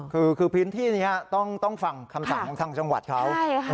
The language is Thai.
คือพื้นที่นี้ต้องฟังคำสั่งของทางจังหวัดเขา